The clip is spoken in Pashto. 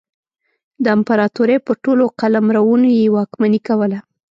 د امپراتورۍ پر ټولو قلمرونو یې واکمني کوله.